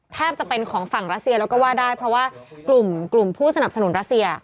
แทบจะเป็นของฝั่งรัสเซียแล้วก็ว่าได้เพราะว่ากลุ่มกลุ่มผู้สนับสนุนรัสเซีย